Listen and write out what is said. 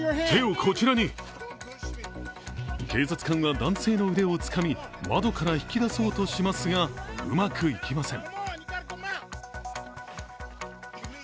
警察官は男性の腕をつかみ窓から引き出そうとしますが、うまくいきません。